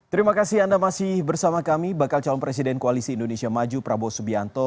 terima kasih anda masih bersama kami bakal calon presiden koalisi indonesia maju prabowo subianto